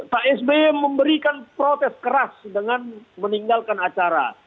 pak sby memberikan protes keras dengan meninggalkan acara